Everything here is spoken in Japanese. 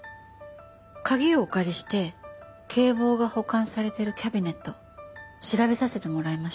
鍵をお借りして警棒が保管されてるキャビネット調べさせてもらいました。